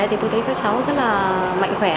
thì tôi thấy các cháu rất là mạnh khỏe